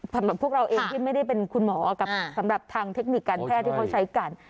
สำหรับพวกเราเองที่ไม่ได้เป็นคุณหมอกับสำหรับทางเทคนิคการแพทย์ที่เขาใช้กัน